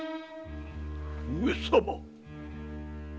上様。